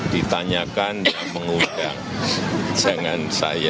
ditanyakan dan pengundang dengan saya